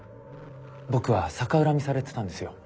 僕は逆恨みされてたんですよ。